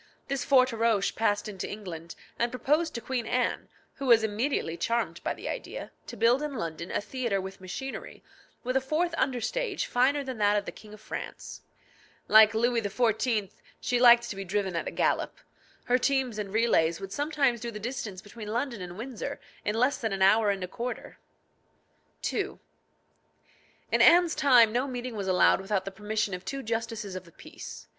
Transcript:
This Forteroche passed into England, and proposed to Queen Anne, who was immediately charmed by the idea, to build in London a theatre with machinery, with a fourth under stage finer than that of the King of France. Like Louis XIV., she liked to be driven at a gallop. Her teams and relays would sometimes do the distance between London and Windsor in less than an hour and a quarter. II. In Anne's time no meeting was allowed without the permission of two justices of the peace.